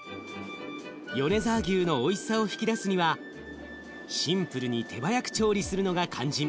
米沢牛のおいしさを引き出すにはシンプルに手早く調理するのが肝心。